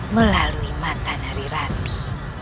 melalui matahari raki